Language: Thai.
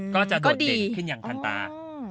โดดเด่นขึ้นอย่างทันตา